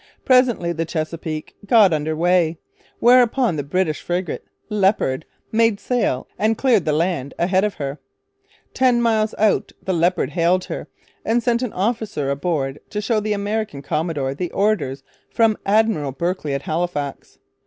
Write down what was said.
Presently the Chesapeake got under way; whereupon the British frigate Leopard made sail and cleared the land ahead of her. Ten miles out the Leopard hailed her, and sent an officer aboard to show the American commodore the orders from Admiral Berkeley at Halifax.